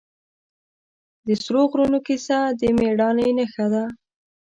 د سرو غرونو کیسه د مېړانې نښه ده.